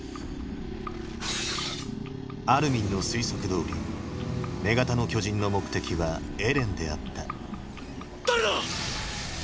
アルミンの推測どおり女型の巨人の目的はエレンであった誰だ